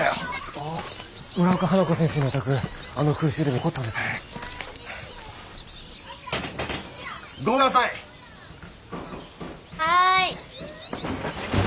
村岡花子先生のお宅あの空襲でも焼けずに残ったんですか。